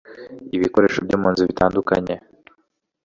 ibikoresho byo mu nzu bitandukanye